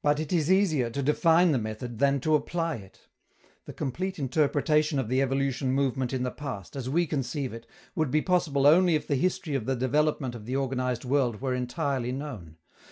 But it is easier to define the method than to apply it. The complete interpretation of the evolution movement in the past, as we conceive it, would be possible only if the history of the development of the organized world were entirely known.